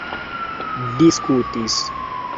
diskutis